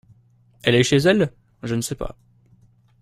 Elle est chez elle ? Je ne sais pas.